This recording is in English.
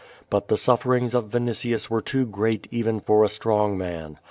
lUit the sufferings of Vinitius were too great even fo r a sti*ong juan.